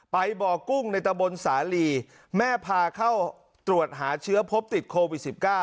ไปบ่อกุ้งในตะบนสาลีแม่พาเข้าตรวจหาเชื้อพบติดโควิด๑๙